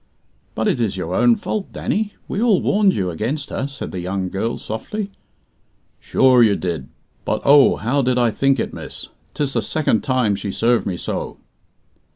"But it is your own fault, Danny; we all warned you against her," said the young girl softly. "Sure ye did. But oh! how did I think it, miss? 'Tis the second time she served me so."